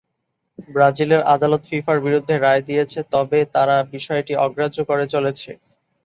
ব্রাজিলের আদালত ফিফার বিরুদ্ধে রায় দিয়েছে তবে তারা বিষয়টি অগ্রাহ্য করে চলেছে।